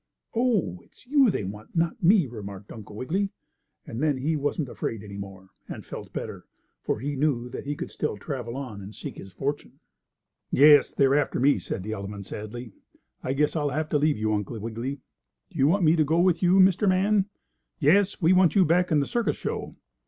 "Oh, it's you they want, and not me," remarked Uncle Wiggily, and then he wasn't afraid any more, and felt better, for he knew that he could still travel on and seek his fortune. "Yes, they're after me," said the elephant sadly. "I guess I'll have to leave you, Uncle Wiggily. Do you want me to go with you, Mr. Man?" "Yes, we want you back in the circus show."